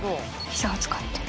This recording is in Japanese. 膝を使って。